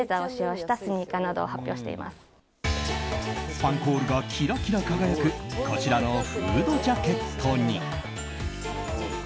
スパンコールがキラキラ輝くこちらのフードジャケットに。